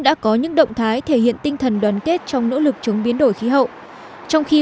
đã có những động thái thể hiện tinh thần đoàn kết trong nỗ lực chống biến đổi khí hậu trong khi